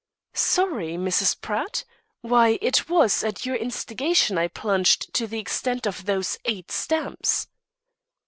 "Sorry, Mrs. Pratt! Why, it was, at your instigation I plunged to the extent of those eight stamps."